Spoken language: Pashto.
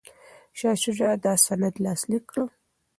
شاه شجاع دا سند لاسلیک کړ.